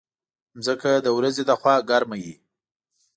مځکه د ورځې له خوا ګرمه وي.